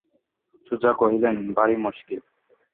সুজা কহিলেন, ভারী মুশকিল!